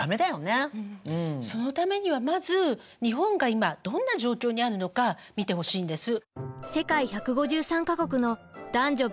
そのためにはまず日本が今どんな状況にあるのか見てほしいんです。